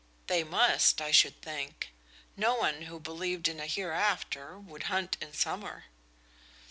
"They must, I should think; no one who believed in a hereafter would hunt in summer."